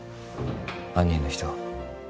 犯人の人